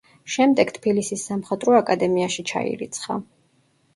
შემდეგ თბილისის სამხატვრო აკადემიაში ჩაირიცხა.